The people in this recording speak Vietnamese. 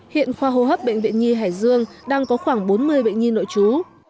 hiện khoa hô hấp bệnh viện nhi hải dương đang có khoảng bốn mươi bệnh nhi nội trú